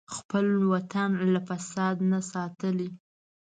خپل وطن له فساد نه ساتلی.